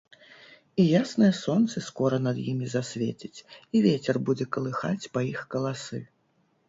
І яснае сонца скора над імі засвеціць, і вецер будзе калыхаць па іх каласы.